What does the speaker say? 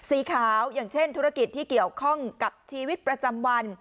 สีขาวอย่างเช่นธุรกิจที่เกี่ยวข้องกับชีวิตประจำวัน